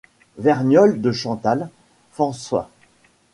Vergniolle de Chantal, François.